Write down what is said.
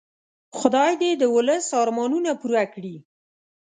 خدای دې د ولس ارمانونه پوره کړي.